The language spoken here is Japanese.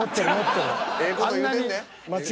ええ事言うてんで。